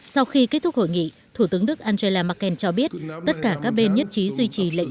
sau khi kết thúc hội nghị thủ tướng đức angela merkel cho biết tất cả các bên nhất trí duy trì lệnh